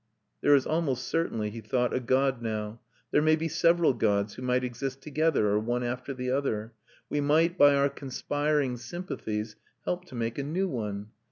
There is almost certainly, he thought, a God now; there may be several gods, who might exist together, or one after the other. We might, by our conspiring sympathies, help to make a new one.